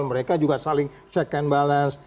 mereka juga saling check and balance